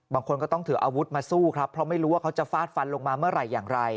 บางคนก็ต้องถืออาวุธมาสู้ครับเพราะไม่รู้ว่าเขาจะฟาดฟันลงมาเมื่อไหร่อย่างไร